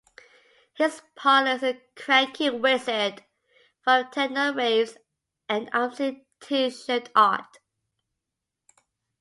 His partner is a cranky wizard fond of techno raves and obscene T-shirt art.